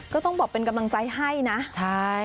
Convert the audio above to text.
ก็ต้องบอกเป็นกำลังใจให้นะใช่